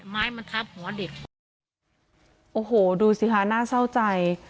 ไม้มันทับหัวเด็กโอ้โหดูสิค่ะน่าเศร้าใจ